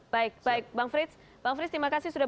baik baik bang frits bang frits terima kasih sudah